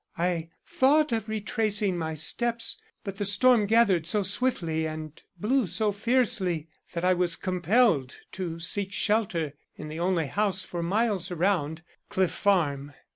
I thought of retracing my steps, but the storm gathered so swiftly and blew so fiercely that I was compelled to seek shelter in the only house for miles around Cliff Farm.